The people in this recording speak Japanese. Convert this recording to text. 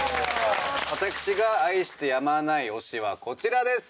私が愛してやまない推しはこちらです。